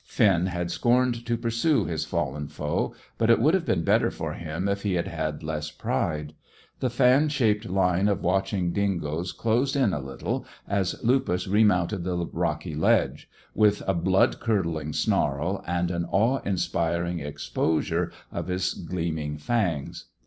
Finn had scorned to pursue his fallen foe, but it would have been better for him if he had had less pride. The fan shaped line of watching dingoes closed in a little as Lupus remounted the rocky ledge, with a blood curdling snarl and an awe inspiring exposure of his gleaming fangs.